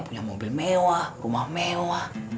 punya mobil mewah rumah mewah